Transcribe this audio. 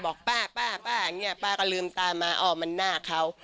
บอกป้าป้าอย่างนี้ป้าก็ลืมตามาอ้อมันหน้าเขา